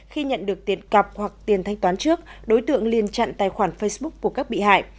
khi nhận được tiền cập hoặc tiền thanh toán trước đối tượng liên chặn tài khoản facebook của các bị hại